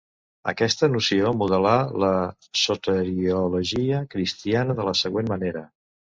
Aquesta noció modelà la soteriologia cristiana de la següent manera.